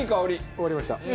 終わりました。